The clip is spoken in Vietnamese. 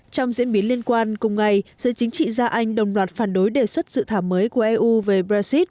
trong diễn biến liên quan cùng ngày giới chính trị gia anh đồng loạt phản đối đề xuất dự thảo mới của eu về brexit